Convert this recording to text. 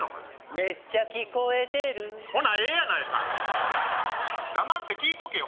メッチャ聞こえてるほなええやないか黙って聞いとけよ